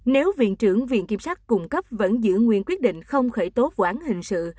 nếu viện trưởng viện kiểm sát cung cấp vẫn giữ nguyên quyết định không khởi tố vụ án hình sự